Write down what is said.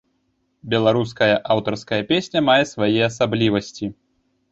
Беларуская аўтарская песня мае свае асаблівасці.